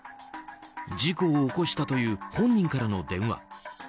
事故を起こしたという本人からの電話。